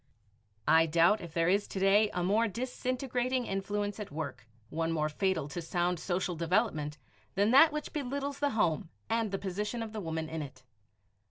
I doubt if there is to day a more disintegrating influence at work one more fatal to sound social development than that which belittles the home and the position of the woman in it.